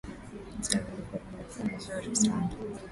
Saa aliyovaa ni nzuri sana